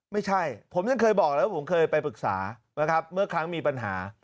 ไม่ใช่ผมยังเคยบอกแล้วผมเคยไปปรึกษานะครับเมื่อครั้งมีปัญหา